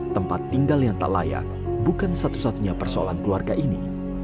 tempat tinggal yang tak layak bukan satu satunya persoalan keluarga ini